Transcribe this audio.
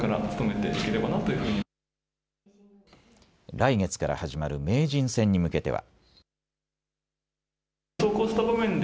来月から始まる名人戦に向けては。